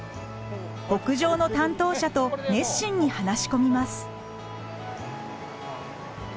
牧場の担当者と熱心に話し込みます。